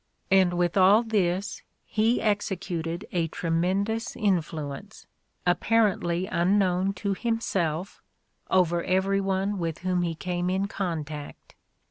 And with all A DAY WITH ROSSETTL this, he executed a tremendous influence, — apparently unknown to himself, — over everyone with whom he came in contact.